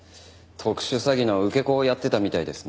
特殊詐欺の受け子をやってたみたいですね。